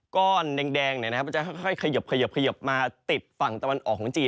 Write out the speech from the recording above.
ก้อนแดงมันจะค่อยบมาติดฝั่งตะวันออกของจีน